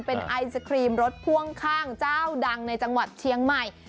เป็นไอศครีมรถพ่วงข้างเจ้าดังในจังหวัดเชียงใหม่